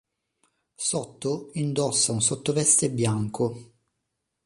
Sotto indossa un sottoveste bianco.